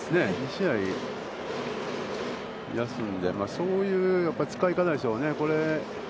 ２試合休んで、そういう使い方でしょうね。